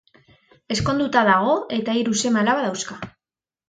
Ezkonduta dago eta hiru seme-alaba dauzka.